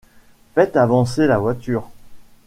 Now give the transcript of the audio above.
Faites avancer la voiture...